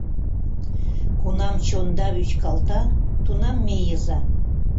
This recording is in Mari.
Кунам чонда вӱчкалта, тунам мийыза.